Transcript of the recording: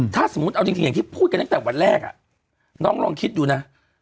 ถ้าสมมุติเอาจริงอย่างที่พูดกันตั้งแต่วันแรกน้องลองคิดดูนะ